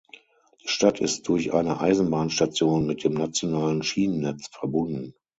Die Stadt ist durch eine Eisenbahnstation mit dem nationalen Schienennetz verbunden.